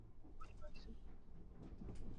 Betusiechu konyoisei